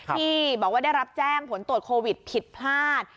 ที่บอกว่าได้รับแจ้งผลตรวจโควิดผิดพลาด